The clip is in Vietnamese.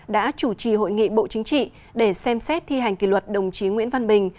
đã chủ trì hội nghị bộ chính trị để xem xét thi hành kỷ luật đồng chí nguyễn văn bình